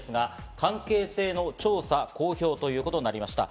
関係性の調査・公表ということになりました。